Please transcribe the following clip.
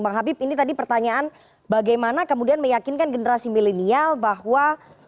bang habib ini tadi pertanyaan bagaimana kemudian meyakinkan generasi milenial bahwa